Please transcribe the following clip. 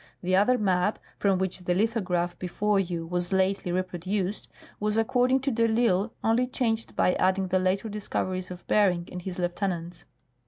The other map (from which the lithograph before you was lately reproduced) was, according to de I'Isle, only changed by adding the later discoveries of Bering and his lieutenants.